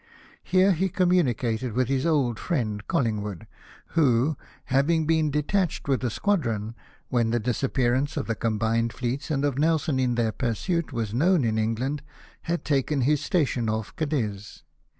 Here he communicated with his old friend Col Hngwood, who, having been detached with a squadron when the disappearance of the combined fleets, and of Nelson in their pursuit, was known in England, had taken his station off Cadiz.